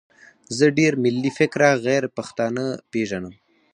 زه ډېر ملي فکره غیرپښتانه پېژنم.